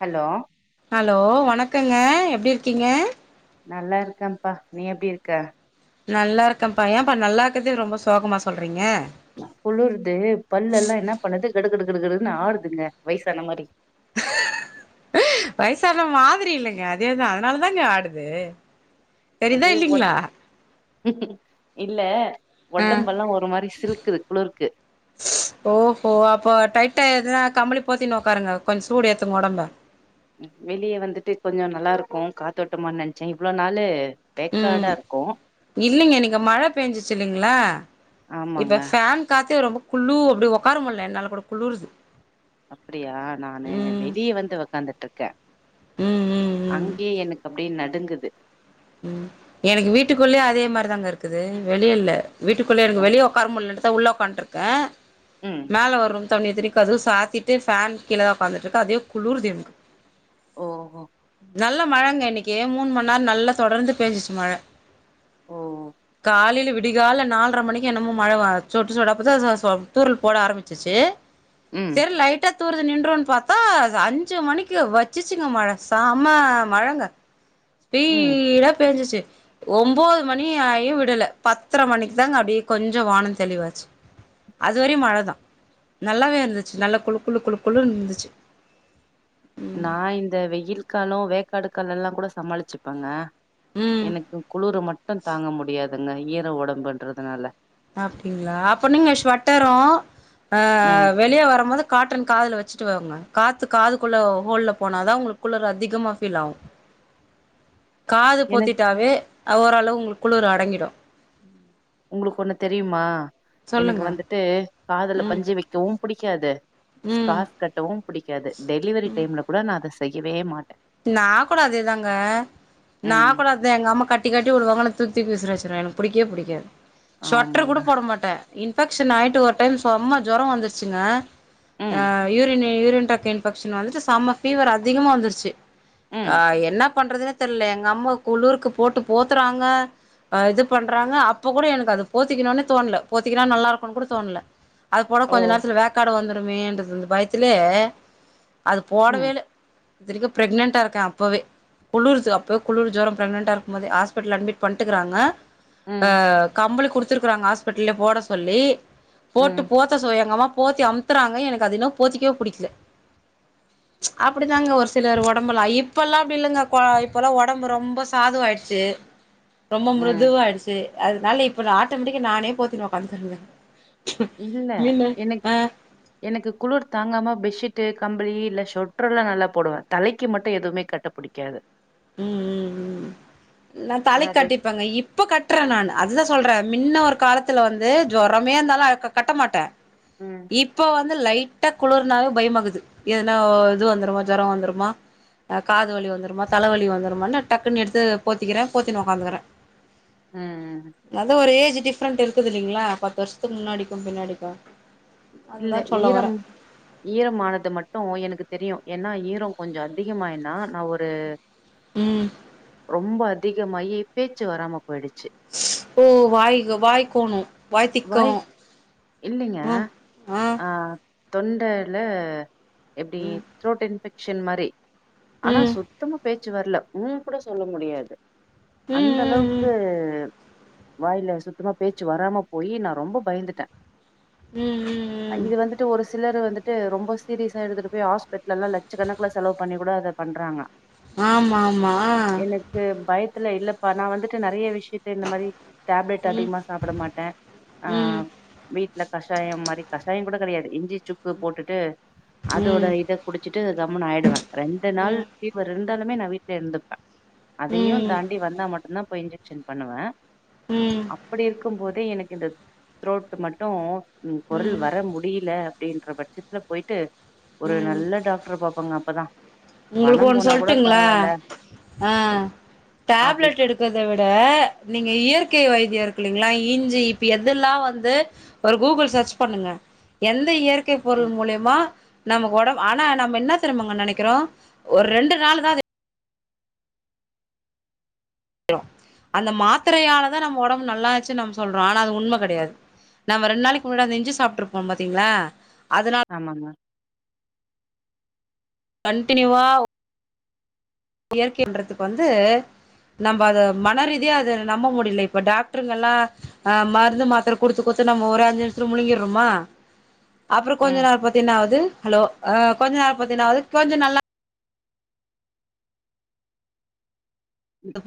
Hello hello வணக்கங்க எப்டி இருக்கீங்க நல்லா இருக்கேப்பா நீ எப்டி இருக்க நல்லா இருக்கேப்பா ஏப்பா நல்லா இருக்றதே ரொம்ப சோகமா சொல்றீங்க குளூறுது பல்லெல்லா என்னா பண்ணுது கிடு கிடு கிடுதுன்னு ஆடுதுங்க வயசான மாரி வயசான மாதிரி இல்லங்க அதேதா அதனாலதாங்க ஆடுது தெரிதா அது ஒன் இல்லைங்களா இல்ல ஆ ஒடம்பெல்லா ஒரு மாரி சிலுக்குது குளிருக்கு ஓஹோ அப்போ டைட்டா எதுனா கம்ளி போத்தினு ஒக்காருங்க கொஞ்ச் சூடேத்துங்க உடம்ப வெளிய வந்துட்டு கொஞ்சோ நல்லாருக்கு காத்தோட்டமானு நெனச்சே இவ்ளோ நாலு வெக்காடாருக்கு இல்லிங்க நீங்க மழ பேஞ்சிச்சி இல்லைங்ளா இப்ப ஆமாங்க ஃபேன் காத்தே ரொம்ப குளூ அப்டி உக்கார முடில என்னால கூட குழூறுது அப்டியா நானு வெளிய வந்து ஒக்காந்துட்ருக்கே ம் ம் ம் அங்கயே எனக்கு அப்டியே நடுங்குது ம் எனக்கு வீட்டுக்குள்ளயே அதேமாரி தாங்க இருக்குது வெளிய இல்ல வீட்டுக்குள்ளே ஓ, எனக்கு வெளிய ஒக்காரமுள்ளன்ட்டு தா உள்ள உக்காண்ட்ருக்கே ம் மேல ஒரூம் இத்தண்ணியு கதவ சாத்திட்டு ஃபேன் கீழ தா உக்காந்துட்ருக்கே அதுவே குளுருது எனக்கு ஓஹோ நல்ல மழங்க இன்னைக்கு மூன் மண் நேரோ நல்லா தொடர்ந்து பேஞ்சுச்சு மழ ஓ காலில விடிகால்ல நால்ர மணிக்கு என்னமோ மழ சொட்டு சொட்டாப்பதா சொ சோ தூரள் போட ஆரமிச்சிச்சி ம் செரி லைட்டா தூர்ரது நின்றுன்னு பாத்தா அஞ்சு மணிக்கு வச்சிச்சிங்க மழ சம்ம மழங்க ம் ஸ்பீடா பேஞ்சுச்சு ஒம்போது மணி ஆயு விடல பத்ர மணிக்கு தாங்க அப்டியே கொஞ்ச வானோ தெளிவாச்சு அதுவரையு மழதா நல்லாவே இருந்துச்சு நல்லா குளு குளு குளு குளுன் இருந்துச்சு நா இந்த வெயில் காலோ வேக்காடு காலோல்லா கூட சமாளிச்சுப்பேங்க ம் எனக்கு குளுறு மட்டு தாங்க முடியாதுங்க ஈர ஒடம்புன்றதுனால அப்டிங்களா அப்ப நீங்க ஸ்வட்டரு ம் அஹ் வெளிய வரும்போது காட்டன் காதுல வச்சுட்டு வரணு காத்து காதுக்குள்ள ஹோல்ல போனாதா உங்களுக்கு குளுறு அதிகமா ஃபீல் ஆவு காத எனக்கு பொத்திட்டாவே ஓரளவு உங்களுக்கு குளுர் அடங்கிடு உங்களுக்கு ஒண்ணு தெரிமா எனக்கு சொல்லுங்க வந்துட்டு காதுல ம் பஞ்சு வைக்கவு புடிக்காது ம் ஸ்கார்ஃப் கட்டவு புடிக்காது டெலிவரி டைம்ல கூட நா அத செய்யவே மாட்டே நா கூட அதேதாங்க நா ம் கூட தா எங்க அம்மா கட்டிக்கட்டி வுடுவாங்க நா தூக் தூக்கி விசிறி அச்சிருவே எனக்கு புடிக்கவே புடிக்காது ஷொட்ரு ஆமாங்க கூட போட மாட்டே இன்ஃபெக்ஷன் ஆகிட்டு ஒரு டைம் செம்ம ஜொரோ வந்துச்சுங்க ம் யூரின் யூரின் டக் இன்ஃபெக்ஷன் வந்துட்டு செம்ம ஃபீவர் அதிகமா வந்துருச்சு ம் ஆ என்ன பண்றதுன்னே தெர்ல எங்க அம்மா குளூருக்கு போட்டு போத்துறாங்க இது பண்றாங்க அப்ப கூட எனக்கு அது போத்திக்கணுனே தோண்ல போத்திக்னா நல்லா இருக்குனு கூட தோண்ல அது போட்டா ஓ கொஞ்சோ நேரத்தில வேக்காடு வந்துடுமேன்றுது இந்த பயத்திலே அது ம் போடவேல இத்தனைக்கு பிரெக்னன்டா இருக்கே அப்பவே குளிர்து அப்போ குளிர் ஜோரோ பிரெகனன்டா இருக்கு போதே ஹாஸ்பிடல்ல அட்மிட் பண்ட்டுக்குறாங்க ம் கம்பளி கொடுத்துருக்கறாங்க ஹாஸ்பிட்டலே போட சொல்லி போட்டு ம் போ போத்த சொ எங்கம்மா போத்தி அமுத்துறாங்க எனக்கு அதென்னவோ போத்திக்கவே புடிக்ல அப்படி தாங்க ஒருஸ் சிலர் ஒடம்புலா இப்பலா அப்டி இல்லைங்க இப்போல்லா ஒடம்பு ரொம்ப சாதுவா ஆயிடுச்சு ரொம்ப ம் மிருதுவா ஆயிடுச்சு அதனால இப்ப நா ஆட்டோமேட்டிக்கா நானே போத்தி உக்காந்துட்டு இருந்தே இல்ல எனக்கு எனக்கு குளிர் தாங்காம பெட்ஷீட்டு, கம்பளி, இல்ல ஷொட்டர்ல்லா நல்லா போடுவே தலைக்கு மட்டு எதுமே கட்ட பிடிக் காது ம் ம் ம் நா தலைக் என்னது கட்டி இப்பங்க இப்ப கட்டுறே நானு அதுதா சொல்றே மின்ன ஒரு காலத்துல வந்து ஜொரமே இருந்தாலு அத கட்ட மாட்டே ம் இப்ப வந்து லைட்டா குளிர்னாலே பயமாகுது எதுனா இது வந்துருமோ ஜொரோ வந்துருமா காது வலி வந்துருமா தலவலி வந்துருமோன்னு டக்குன்னு எடுத்து போத்திக்கிறே போத்தினு உக்காந்துக்கிறே அ அ அ அதே ஒரே ஏஜ் டிஃப்ரெண்ட் இருக்குதுல்லைங்களா பத்து வருஷத்துக்கு முன்னாடிக்கும் பின்னாடிக்கும் இல்ல ஈரம் ஈரம்மானது மட்டும் எனக்கு தெரியு ஏன்னா ஈரம் கொஞ்சோ அதிகமாயினா நா ஒரு ம் ரொம்ப அதிகமாயி பேச்சு வராம போயிடுச்சு ஓ வாய் வாய்கோணும் வாய் இல்லைங்க ம் ஆ தொண்டைல எப்டி ம் த்ரோட் இன்ஃபெக்ஷன் மாரி ஆனா ம் சுத் சுத்தமா பேச்சு வரல உம் கூட சொல்ல முடியாது ம் அந்த ம் அளவுக்கு வாயில சுத்தமா பேச்சு வராம போயி நா ரொம்ப பயந்துட்டே ம் ம் ம் ம் இது வந்துட்டு ஒரு சிலர் வந்துட்டு ரொம்ப சீரியஸா எடுத்துட்டு போய் ஹாஸ்பிடல் எல்லா லட்சக்கணக்கல செலவு பண்ணிக் கூட அத பண்றாங்க ஆமாம்மா ஆ எனக்கு பயத்துல இல்லப்பா நா வந்துட்டு நெறைய விஷயத்த இந்த மாரி டேப்லெட் ம் அதிகமா சாப்ட மாட்டே ஆ ம் வீட்ல கஷாயம் மாரி கஷாயோ கூட கெடையாது இஞ்சி சுக்கு போட்டுட்டு அதோட ம் இத குடிச்சிட்டு கம்முனு ஆயிடுவே. ரெண்டு ம் நாள் ம் ஃபீவர் இருந்தாலுமே நா வீட்ல இருந்துப்பே ம் அதையு ம் தாண்டி வந்தா மட்டும்தா போய் இன்ஜெக்ஷன் பண்ணுவே ம் அப்படி இருக்கு போதே எனக்கு இந்த த்ரோட் மட்டும் குரல் ம் வர முடியல அப்படின்ற பற் சிட்டில போயிட்டு ஒரு ம் நல்ல டாக்டர பாப்பங்க அப்பதா உங்களுக்கு பணம் ஒண்ணு போனா கூட சொல்லுட்டுங்களா பரவால்ல ஆ அப்படி டேப்லெட் எடு இருக்கறத விட நீங்க இயற்கை வைத்தியோ இருக்கு இல்லீங்களா இஞ்சி இப்ப எதெல்லா வந்து ஒரு கூகுள் சர்ச் பண்ணுங்க எந்த இயற் இயற்கை ம் பொருள் மூலியமா நமக்கு ஒடம் ஆனா நம்ம என்ன தெரியுமா நெனைக்கிறோ ஒரு ரெண்டு நாள் தா அத அந்த மாத்திரையாலதா நம்ம ஒடம்பு நல்லாச்சு நம்ம சொல்றோ ஆனா அது உண்மை கெடையாது நம்ம ரெண்டு நாளைக்கு முன்ன அந்த இஞ்சு சாப்பிட்டுருப்போ பாத்தீங்களா அதனால ஆமாங்க கண்டினியூவா இயற்கை என்றது வந்து நம்ம அதை மனரீதியா அதை நம்ப முடியல இப்ப டாக்டருங்க எல்லாம் ஆ மருந்து மாத்திரை கொடுத்து கொடுத்து நம்ம ஒரு அஞ்சு நிமிஷத்துல முழுங்கிடுறோமா அப்புறம் கொஞ்சம் ம் நாள் பாத்தினா என்னாவுது ஹலோ அ கொஞ்சம் நாள் பாத்தினா என்னால வது கொஞ்சம் நல்லா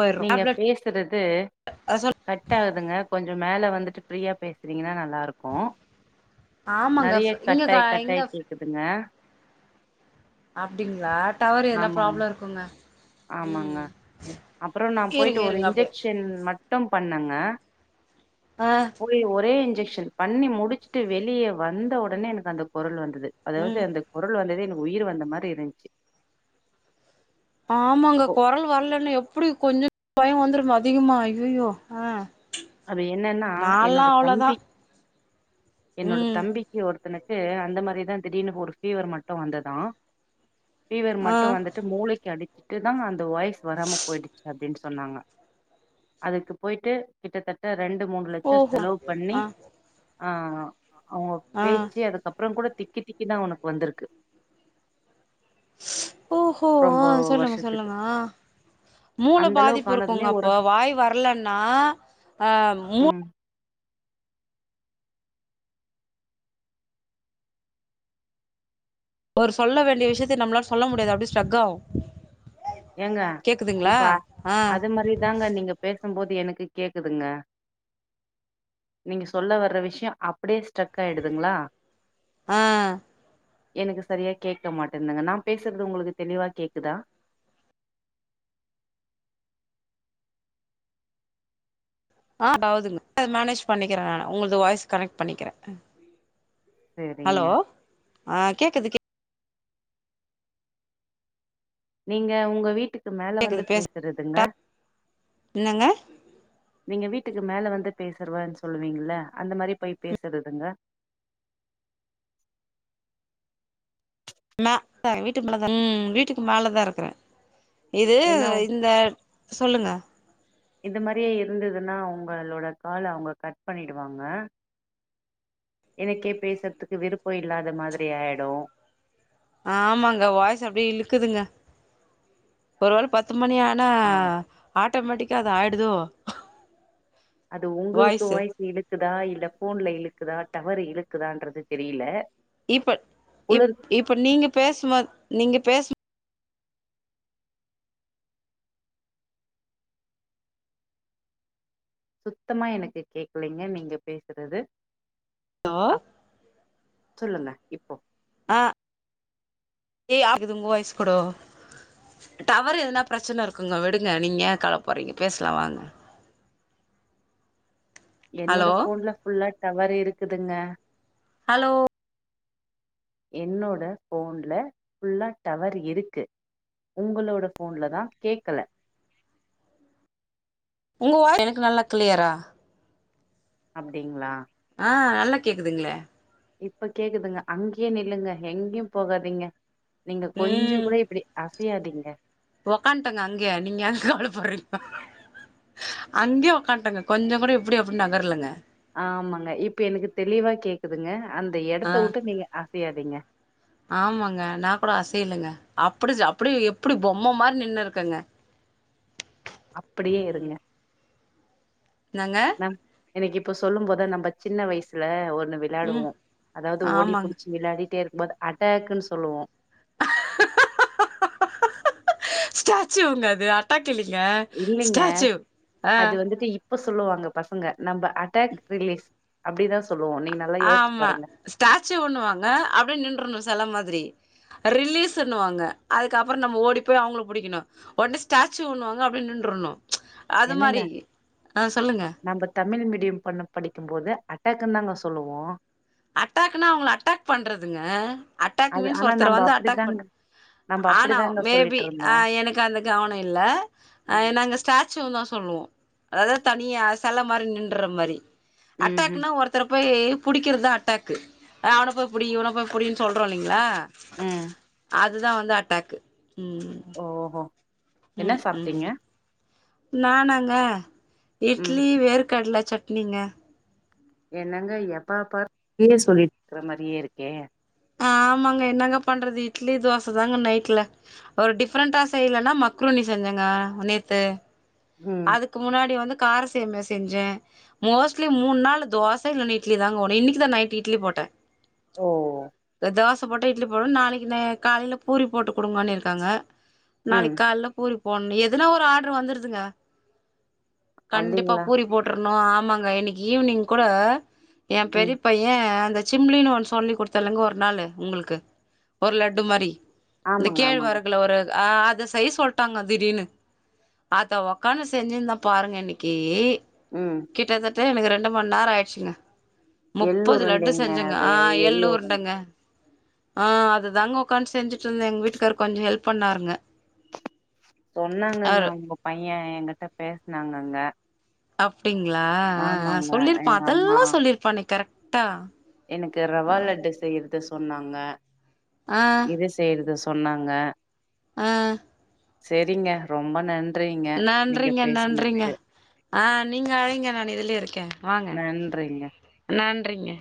போயிடுறோம் நீங்க டேப்லெட் பேசுறது சொல் கட் கட் ஆகுதுங்க கொஞ்ச மேல வந்துட்டு ஃப்ரீயா பேசுறீங்கன்னா நல்லா இருக்கும் ஆமாங்க நெறைய இங்கக்கா கட்டாகி இங்க கட்டாகி கேக்குதுங்க அப்டிங்களா டவர் ஏதென்னா ஆமாங்க ப்ராப்ளம் இருக்குங்க ம் அப்பற நா போயிட்டு ஒரு இன்ஜெக்ஷன் மட்டும் பண்ணங்க ஆ போய் ஒரே இன்ஜெக்ஷன் பண்ணி முடிச்சுட்டு வெளியே வந்த உடனே எனக்கு அந்த குரல் வந்தது அதாவது ம் அந்த குரல் வந்ததே எனக்கு உயிர் வந்த மாதிரி இருந்துச்சு ஆமாங்க ஓ குரல் வரலன்னா எப்டி கொஞ்ச பய வந்துரு அதிகமா அய்யயோ ஆ அது என்னன்னா நால்லா என்னோட அவ்ளோதா தம்பி என்னோட ம் தம்பி தம்பி ஒருத்தர்னுக்கு அந்த மாதிரிதா திடீர்னு ஒரு ஃபீவர் மட்டும் வந்துதா ஃபீவர் ஆ மட்டும் வந்துட்டு மூளைக்கு அடிச்சு இதுதா அந்த வாய்ஸ் வராம போயிடுச்சு அப்டின்னு சொன்னாங்க அதுக்கு போயிட்டு கிட்டத்தட்ட இரண்டு மூணு லட்ச ஓஹோ செலவு பண்ணி ஆ ஆஹ் அவங்க ஆ பேச்சு அதுக்கு அப்பற கூட திக்கி திக்கிதா அவனுக்கு வந்து இருக்கு ஓஹோ அ ரொம்ப சொல்லுங்க வருஷத்துக்கு சொல்லுங்க அஹ் மூள அந்த அளவுக்கு பாதிப்பு இருக்குங்க ஆனதுமே ஒரு அப்ப வாய் வர இல்லனா அ மூ ம் ஒரு சொல்ல வேண்டிய விஷயத்த நம்மளால சொல்ல முடியாது அப்டியே ஸ்ட்ரக் ஆகு ஏங்க கேக்குதுங்களா இப்ப ஆ அது மாதிரி தாங்க நீங்க பேசும் போது எனக்கு கேக்குதுங்க நீங்க சொல்ல வரற விஷய அப்டியே ஸ்டக் ஆயிடுதுங்களா ஆஹ் எனக்கு சரியா கேட்க மாட்டதுன்ங்க நா பேசுறது உங்களுக்கு தெளிவா கேக்குதா ஆஹ் அதாவதுங்க அது மேனேஜ் பண்ணிக்கிற நானு உங்களது வாய்ஸ் கனெக்ட் பண்ணிக்கிற ஹலோ சரிங்க அஹ் கேக்குது கேக் நீங்க உங்க வீட்டுக்கு மேல வந்து கேக்குது பேசு பேசுறதுங்க என்னங்க நீங்க வீட்டுக்கு மேல வந்து பேசுறவன்னு சொல்லுவீங்கள அந்த மாதிரி போய் பேசுறதுங்க நா வீட்டு மேல்தா ம் ம் வீட்டுக்கு மேல தா இருக்குற இது ஏன்னா இந்த சொல்லுங்க இது மாதிரியே இருந்ததுன்னா உங்களோட கால்ல அவங்க கட் பண்ணிடுவாங்க எனக்கே பேசறதுக்கு விருப்ப இல்லாத மாதிரி ஆயிடு ஆமாங்க வாய்ஸ் அப்டி இழுக்குதுங்க ஒருவேள பத்து மணி ஆகு ஆனா ஆ ஆட்டோமேட்டிக்கா அது ஆயிடுதோ அது உங்களுக்கு வாய்ஸு வாய்ஸ் இழுக்குதா இல்ல போன்ல இழுக்குதா டவர் இழுக்குதான்றது தெரில இப்ப இப்ப நீங்க பேசும் போது நீங்க பேசும் சுத்தமா எனக்கு கேக்கலங்க நீங்க பேசுறது சொல்லுங்க இப்போ அஹ் ஏய் ஆகுது உங்க வயசு கூட டவரு ஏதென்னா பிரச்சன இருக்குங்க விடுங்க நீங்க ஏய கவலைபடுறீங்க பேசலா வாங்க [inaudible] என்னோட ஹலோ போன்ல ஃபுல்லா டவர்ரு இருக்குதுங்க ஹலோ என்னோட ஃபோனல ஃபுல்லா டவர் இருக்கு உங்களோட ஃபோன்ல தா கேட்கல உங்க வாய் எனக்கு நல்லா கிளியரா அப்டிங்ளா ஆ நல்லா கேக்குதுங்ளே இப்ப கேக்குதுங்க அங்கயே நில்லுங்க எங்யும் போகாதீங்க நீங்க கொஞ்சொ கூட இப்டி அசயாதீங்க ஒக்கான்ட்டெங்க அங்யே நீங்க ஏ கவலப்பர்றீங்க அங்யே ஒக்கான்ட்டங்க கொஞ்ச கூட இப்புடி அப்டி நகர்லங்க ஆமாங்க இப்ப எனக்கு தெளிவா கேக்குதுங்க அந்த ஆ எடத்த விட்டு நீங்க அசயாதீங்க ஆமாங்க நா கூட அசையலங்க அப்புடிஜ அப்புடி எப்புடி பொம்ம மாரி நின்னுருக்கெங்க அப்புடியே இருங்க னாங்க எனக்கு இப்ப சொல்லும் போத நம்ம சின்ன வயசுல ஒன்னு ம் விளாடுவோ அதாவ்து ஓடி ஆமாங்க புடிச்சு விளாடிட்டே இருக்கும்போது அட்டாக்குன் சொல்லுவோ ஸ்டாச்சூவ்ங்க அது அ ட்டாக்கில்லிங்க ஸ்டாச்சுவ் அ ப்ப சொல்லுவாங்க பசங்க நம்ப அட்டாக் ரிலீஸ் அப்டிதா சொல்லுவோ நீங்க நா ஆமா ஸ்டாச்சுவ்னுவாங்க அப்டி நின்றுனு செல மாதிரி ரிலீஸுன்னுவாங்க அதுக்கப்ற நம்ம ஓடி போய் அவுங்கள புடிக்கனு ஒட்னே ஸ்டாச்சூவ்னுவாங்க அப்டி நின்றனு என்னங்க நம்ப தமிழ் மீடியம் பண்ண படிக்கும்போது அட்டாக்குன் தாங்க சொல்லுவோ அட்டாக்னா அவுங்கள அட்டாக் பண்றதுங்க அட்டாக் அது மீன்ஸ் ஆனா ஒருத்தர நம்ம வந்து அட்டாக் பண் அப்டிதாங்க நம்ம ஆனா அப்டிதாங்க மேபி சொல்லிட்டு இருந்தோ ஆ எனக்கு அந்த கவனொ இல்ல அ ம் என் நாங்க ஸாச்சூன் தா சொல்லுவோ அதா தனியா செல மாரி நின்ற மாரி ம் அட்டாக்னா ஒரு த்தர போய் புடிக்கிறதுதா அட்டாக்கு அவன போய் புடி இவன போய் புடின் சொல்றோ இல்லிங்ளா ம் அதுதா வந்து அட்டாக்கு ம் ஓஹோ என்ன ம் ம் சாப்டீங்க? நானாங்க ம் இட்லி வேர்கடல சட்னிங்க என்னங்க எப்பா பா இதயே சொல்லிட்ருக்குற மாரியே இருக்கே ஆமாங்க என்னங்க பண்றது இட்லி தோசதாங்க நைட்ல ஒரு டிஃப்ரென்டா செய்லன்னா மக்ரூனி செஞ்செங்க நேத்து ம் அதுக்கு முன்னாடி வந்து கார சேமியா செஞ்சே மோஸ்லி மூண் நாளு தோச இல்லனா இட்லிதாங்க வோனு இன்னக்கி தா நைட்டு இட்லி போட்டே ஓ தோச போட்டா‌ இட்லி போடு நாளைக்கி ந காலைல பூரி போட்டு குடுங்கன் இருக்காங்க ம் நாளைக் கால்ல பூரி போட்னு எதுனா ஒரு ஆட்ரு வந்துருதுங்க கண்டிப்பா அப்டிங்களா பூரி போட்ருனு ஆமாங்க இன்னக்கி ஈவினிங் கூட ஏ ம் பெரிய பை யே அந்த சிம்லின் ஒன்னு சொல்லி குடுத்தேல்லங்க ஒரு நாளு உங்ளுக்கு ஒரு லட்டு மாரி இந்த ஆமாங்க ஆமாங்க கேழ்வரகுல ஒரு ஆ அத செய்ய சொல்ட்டாங்க திடீனு அத்த ஒ க்காந்து செஞ்சுந்தே பாருங்க இன்னக்கி ம் கிட்டத்தட்ட எனக்கு ரெண்டு மண்நேர ஆயிட்ச்சுங்க முப்பது லட்டு எள்ளுருண்டைங்க செஞ்செங்க அது ஆ எள்ளு எள்ளுரு உருண்டங்க ஆ அதுதாங்க உக்காந் செஞ்சுட்ருந்தே எங்க வீட்டுக்கார் கொஞ்ச ஹெல்ப் பண்ணாருங்க சொன்னாங்கங்க அவரு உங்க பைய எங்கிட்ட பேசுனாங்கங்க அப்டிங்ளா அ அ ஆமாங்க சொல்லிருப்பா எங்க அம்மா அதெல்லா சொல்லிருப்பானே கரெக்டா எனக்கு ரவா லட்டு செய்யறது சொன்னாங்க ஆ இரு [unintelligible] செய்றது சொன்னாங்க ஆ செரிங்க ரொம்ப நன்றிங்க நீங்க நன்றிங்க நன்றிங்க பேசுனதுக்கு ஆ நீங்க அழைங்க நானு இதுலயே இருக்கே வாங்க நன்றிங்க நன்றிங்க